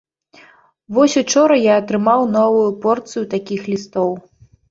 Вось учора я атрымаў новую порцыю такіх лістоў.